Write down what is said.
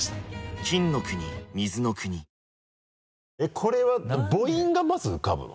これは母音がまず浮かぶの？